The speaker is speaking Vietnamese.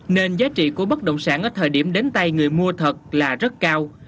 nên giá trị của bất động sản ở thời điểm đến tay người mua thật là rất cao